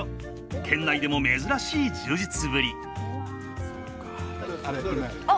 県内でも珍しい充実ぶり。